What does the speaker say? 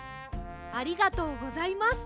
ありがとうございます。